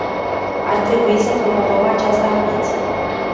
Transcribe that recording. Ar trebui să promovăm această ambiție.